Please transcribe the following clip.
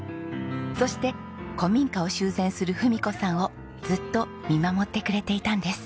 そして古民家を修繕する文子さんをずっと見守ってくれていたんです。